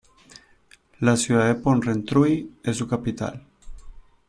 La ciudad de Porrentruy es su capital.